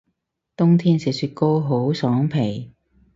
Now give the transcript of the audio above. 冬天食雪糕好爽皮